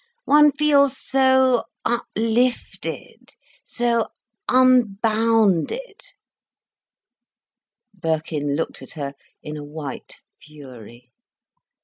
One feels so uplifted, so unbounded ..." Birkin looked at her in a white fury.